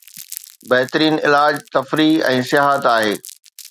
بهترين علاج تفريح ۽ سياحت آهي